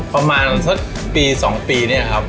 ประมาณสักปี๒ปีเนี่ยครับ